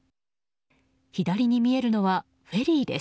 左に見えるのはフェリーです。